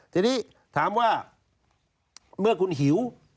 ทีนี้ถามว่าเมื่อคุณหิว